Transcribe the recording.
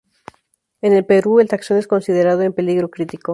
En el Perú, el taxón es considerado en peligro crítico.